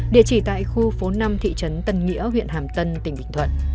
địa chỉ tại khu phố năm thị trấn tân nghĩa huyện hàm tân tỉnh bình thuận